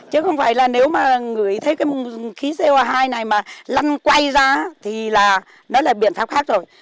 chứ không phải là nếu mà ngửi thấy cái khí co hai này mà lăn quay ra thì là nó là biện pháp khác rồi